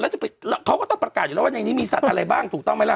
เช่นนี้มีสัตว์อะไรบ้างถูกต้องไหม